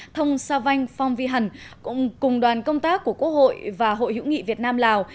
thông sa vanh phong vi hằn cùng đoàn công tác của quốc hội và hội hữu nghị việt nam lào